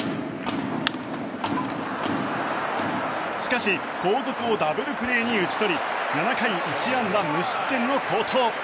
しかし後続をダブルプレーに打ち取り７回１安打無失点の好投。